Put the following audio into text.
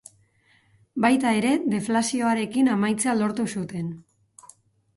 Baita ere deflazioarekin amaitzea lortu zuten.